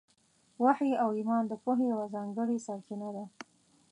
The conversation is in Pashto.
وحي او ایمان د پوهې یوه ځانګړې سرچینه ده.